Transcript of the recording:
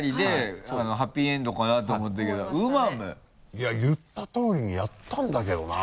いや言ったとおりにやったんだけどな。